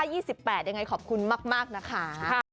ยังไงขอบคุณมากนะคะ